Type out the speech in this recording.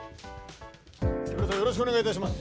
木村さんよろしくお願いします。